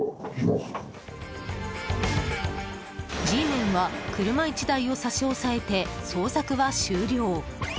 Ｇメンは車１台を差し押えて捜索は終了。